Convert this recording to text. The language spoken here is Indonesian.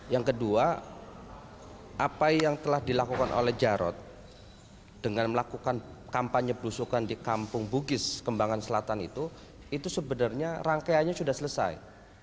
yang kedua apa yang telah dilakukan oleh jarod dengan melakukan kampanye berusukan di kampung bugis kembangan selatan itu itu sebenarnya rangkaiannya sudah selesai